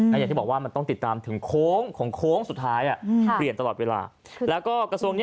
แล้วให้คนในครอบครัวของตนเองนั่งในตำแหน่งนี้